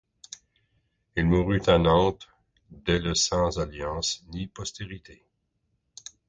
Il mourut à Nantes dès le sans alliance ni postérité.